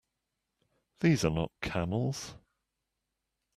These are not camels!